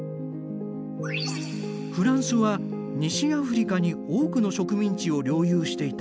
フランスは西アフリカに多くの植民地を領有していた。